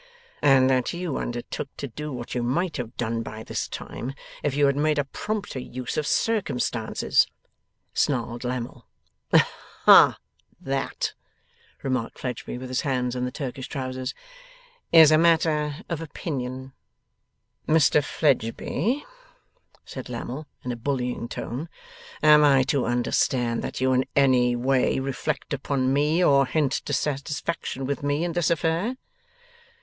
'And that you undertook to do what you might have done by this time, if you had made a prompter use of circumstances,' snarled Lammle. 'Hah! That,' remarked Fledgeby, with his hands in the Turkish trousers, 'is matter of opinion.' 'Mr Fledgeby,' said Lammle, in a bullying tone, 'am I to understand that you in any way reflect upon me, or hint dissatisfaction with me, in this affair?